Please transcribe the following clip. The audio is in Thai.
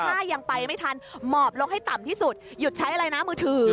ถ้ายังไปไม่ทันหมอบลงให้ต่ำที่สุดหยุดใช้อะไรนะมือถือ